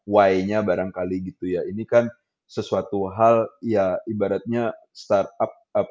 y nya barangkali gitu ya ini kan sesuatu hal ya ibaratnya startup